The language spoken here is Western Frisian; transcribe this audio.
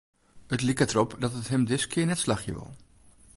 It liket derop dat it him diskear net slagje wol.